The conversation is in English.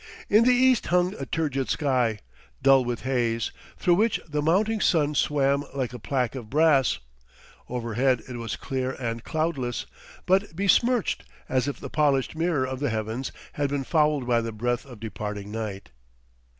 In the east hung a turgid sky, dull with haze, through which the mounting sun swam like a plaque of brass; overhead it was clear and cloudless, but besmirched as if the polished mirror of the heavens had been fouled by the breath of departing night.